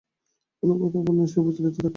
অনাদর-অবমাননায় সে অবিচলিত থাকে।